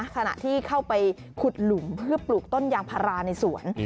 ขณะที่เข้าไปขุดหลุมเพื่อปลูกต้นยางพาราในสวน